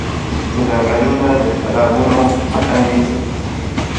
ځنګلونه د سېلابونو مخه نيسي.